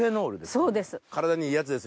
そうです。